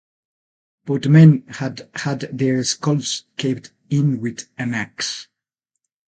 Both men had had their skulls caved in with an axe.